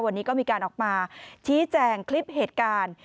วันนี้ก็มีการออกมาชี้แจงคลิปเหตุการณ์